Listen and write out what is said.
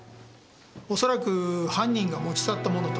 おそらく犯人が持ち去ったものと。